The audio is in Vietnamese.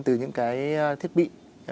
từ những cái thiết bị